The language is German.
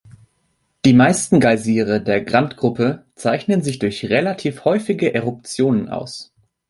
Die meisten Geysire der Grand-Gruppe zeichnen sich durch relativ häufige Eruptionen aus.